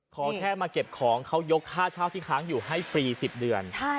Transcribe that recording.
ขอแค่มาเก็บของเขายกค่าเช่าที่ค้างอยู่ให้ฟรี๑๐เดือน